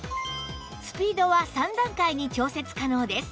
スピードは３段階に調節可能です